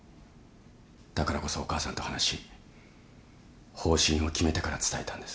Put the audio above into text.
だからこそお母さんと話し方針を決めてから伝えたんです。